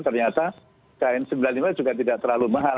ternyata kn sembilan puluh lima juga tidak terlalu mahal